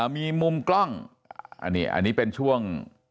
มีมุมกล้องอันนี้เป็นช่วง